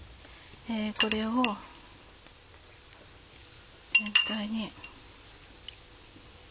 これを全体に。